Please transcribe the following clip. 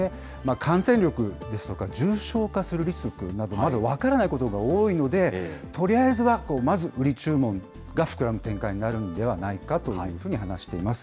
感染力ですとか、重症化するリスクなど、まだ分からないことが多いので、とりあえずはまず売り注文が膨らむ展開になるんではないかというふうに話しています。